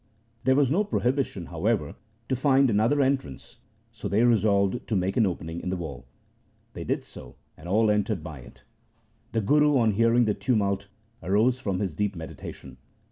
There was no prohibition, however, to find another entrance, so they resolved to make an opening in the wall. They did so, and all entered by it. The Guru, on hearing the tumult, arose from his deep meditation.